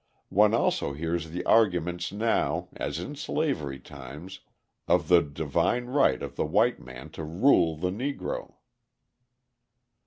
One also hears the argument now, as in slavery times, of the divine right of the white man to rule the Negro.